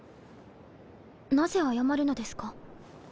なぜ謝るのですか？